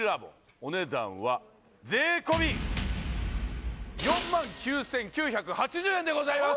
お値段は税込４万９９８０円でございます